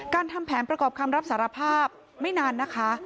ทำแผนประกอบคำรับสารภาพไม่นานนะคะ